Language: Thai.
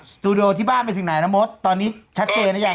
สตูดิโอที่บ้านไปถึงไหนนะมดตอนนี้ชัดเจนหรือยัง